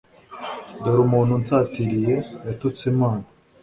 Dore umuntu unsatiriye yatutse Imana